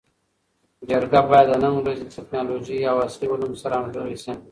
جرګه باید د نن ورځې له ټکنالوژۍ او عصري علومو سره همږغي سي.